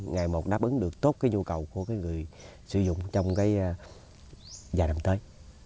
ngày một đáp ứng được tốt cái nhu cầu của cái người sử dụng trong cái dài năm tới